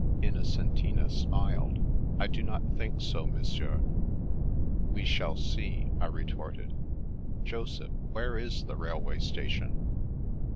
Innocentina smiled. " I do not think so, Mon sieur." We shall see," I retorted. "Joseph, where is the railway station